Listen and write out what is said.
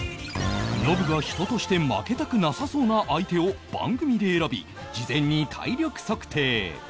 ノブが人として負けたくなさそうな相手を番組で選び事前に体力測定